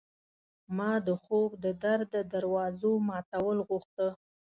ما د خوب د در د دوازو ماتول غوښته